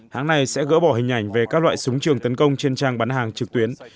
hãng này sẽ gỡ bỏ hình ảnh về các loại súng trường tấn công trên trang bán hàng trực tuyến